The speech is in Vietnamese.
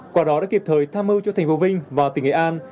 quả đó đã kịp thời tham mưu cho thành phố vinh và tỉnh nghệ an